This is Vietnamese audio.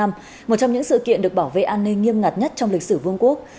một trong những sự kiện được bảo vệ an ninh nghiêm ngặt nhất trong lịch sử vương quốc